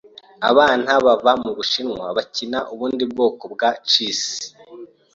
Abantu bava mubushinwa bakina ubundi bwoko bwa chess.